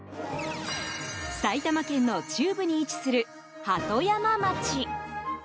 埼玉県の中部に位置する鳩山町。